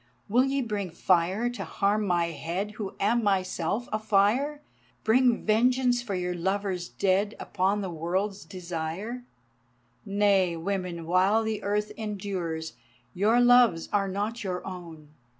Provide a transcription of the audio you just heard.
Will ye bring fire to harm my head Who am myself a fire, Bring vengeance for your Lovers dead Upon the World's Desire? Nay, women while the earth endures, Your loves are not your own.